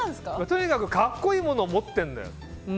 とにかく格好いいものを持ってるんだよ。